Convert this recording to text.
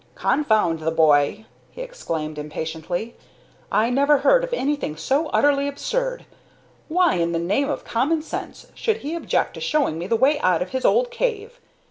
"Confound the boy!" he exclaimed, impatiently. "I never heard of anything so utterly absurd. Why, in the name of common sense, should he object to showing me the way out of his old cave?